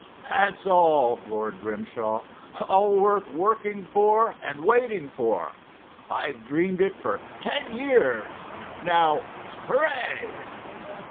"That's all!" roared Grimshaw—"all worth working for and waiting for. I've dreamed it for ten years. Now—hooray!"